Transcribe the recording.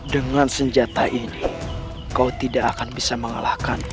dengan senjata ini kau tidak akan bisa mengalahkan